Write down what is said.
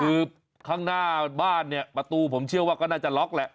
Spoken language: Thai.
คือข้างหน้าบ้านเนี่ยประตูผมเชื่อว่าก็น่าจะล็อกแหละ